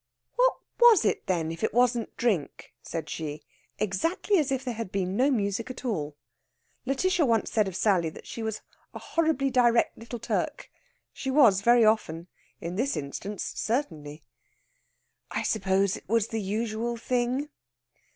"What was it, then, if it wasn't drink?" said she, exactly as if there had been no music at all. Lætitia once said of Sally that she was a horribly direct little Turk. She was very often in this instance certainly. "I suppose it was the usual thing."